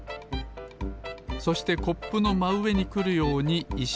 そしてコップのまうえにくるようにいしをおきます。